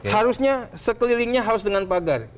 harusnya sekelilingnya harus dengan pagar